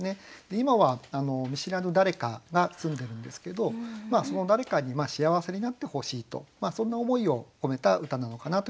今は見知らぬ誰かが住んでるんですけどその誰かに幸せになってほしいとそんな思いを込めた歌なのかなというふうに思いました。